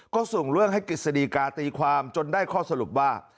ก็ส่งเรื่องให้กฤษฎีกาตีความจนได้ข้อสรุปว่า